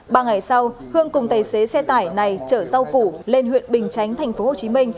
ba ngày sau hương cùng tài xế xe tải này chở rau củ lên huyện bình chánh tp hcm